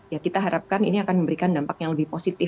ya kita harapkan ini akan memberikan dampak yang lebih positif